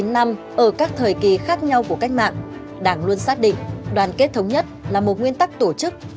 bốn mươi năm ở các thời kỳ khác nhau của cách mạng đảng luôn xác định đoàn kết thống nhất là một nguyên tắc tổ chức